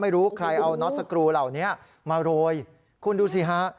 ไม่รู้ใครเอาน็อตสกรูเหล่านี้มาโรยคุณดูสิฮะ